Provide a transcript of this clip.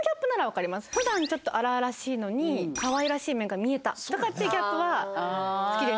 普段ちょっと荒々しいのにかわいらしい面が見えたとかっていうギャップは好きです。